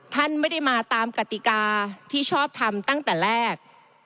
ท่านไม่ได้มาตามกติกาที่ชอบทำตั้งแต่แรก